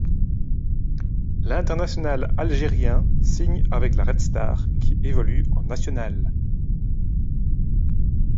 L'international algérien signe avec le Red Star qui évolue en National.